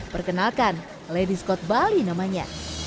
perkenalkan lady scott bali namanya